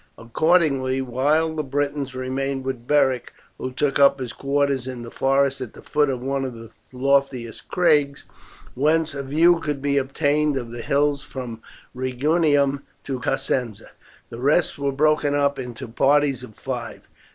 Accordingly, while the Britons remained with Beric, who took up his quarters in the forest at the foot of one of the loftiest crags, whence a view could be obtained of the hills from Rhegium to Cosenza, the rest were broken up into parties of five.